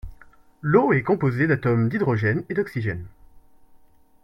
L'eau est composée d'atomes d'hydrogène et d'oxygène.